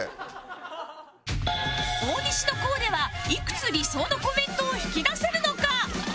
大西のコーデはいくつ理想のコメントを引き出せるのか？